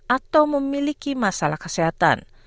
atau memiliki masalah kesehatan